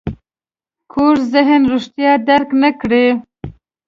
کوږ ذهن رښتیا درک نه کړي